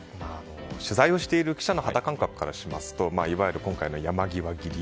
取材をしている記者の肌感覚からしますといわゆる今回の山際切り